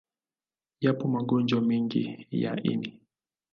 Yapo magonjwa mengi ya ini.